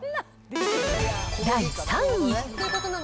第３位。